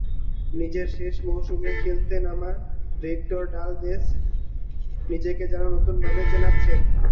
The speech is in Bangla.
নিজের শেষ মৌসুম খেলতে নামা ভিক্টর ভালদেস নিজেকে যেন নতুনভাবে চেনাচ্ছেন।